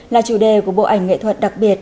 là chủ đề của bộ ảnh nghệ thuật đặc biệt